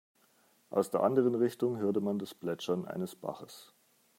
Aus der anderen Richtung hörte man das Plätschern eines Baches.